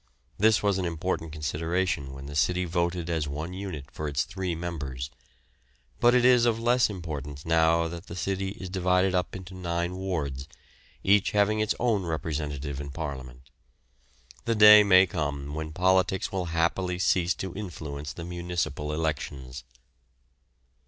This was an important consideration when the city voted as one unit for its three members. But it is of less importance now that the city is divided up into nine wards, each having its own representative in Parliament. The day may come when politics will happily cease to influence the municipal elections.